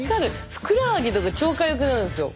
ふくらはぎとか超かゆくなるんですよ。